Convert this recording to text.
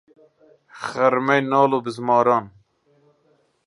خرمەی ناڵ و بزماران